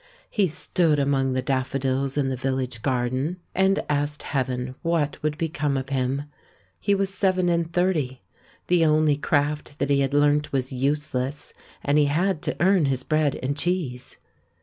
He stood among the daffodils in the village garden, and 814 THE MAN WHO UNDERSTOOD WOMEN asked Heaven what would become of him. He was seven and thirty; the only craft that he had learnt was useless ; and he had to earn his bread and cheese.